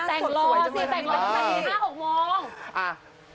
แต่งรอสัก๕๖มอง